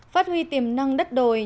phát huy tiềm năng đất đồi